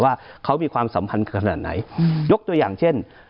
ว่าเขามีความสัมพันธ์ขนาดไหนยกตัวอย่างเช่น